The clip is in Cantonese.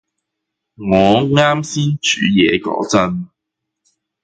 我啱先煮嘢嗰陣